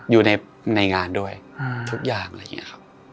อยู่ในงานด้วยทุกอย่างอะไรอย่างนี้ครับ